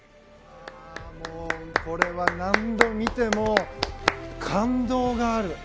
これは何度見ても感動がある。